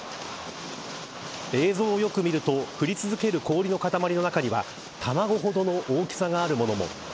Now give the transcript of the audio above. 映像をよく見ると降り続ける氷の塊の中には卵ほどの大きさがあるものも。